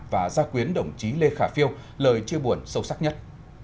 và gia quyến đồng chí lê khả phiêu lời chia buồn sâu sắc nhất